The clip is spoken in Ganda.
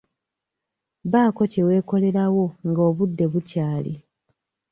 Baako kye weekolerawo nga obudde bukyali.